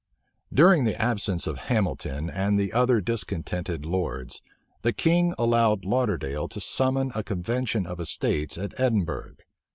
During the absence of Hamilton and the other discontented lords, the king allowed Lauderdale to summon a convention of estates at Edinburgh.